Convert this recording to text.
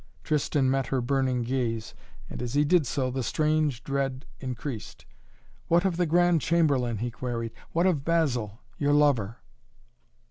Tristan met her burning gaze, and as he did so the strange dread increased. "What of the Grand Chamberlain?" he queried. "What of Basil, your lover?"